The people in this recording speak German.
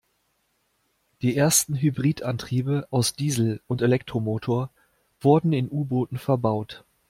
Die ersten Hybridantriebe aus Diesel- und Elektromotor wurden in U-Booten verbaut.